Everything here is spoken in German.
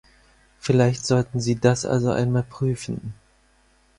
Vielleicht sollten Sie das also einmal prüfen.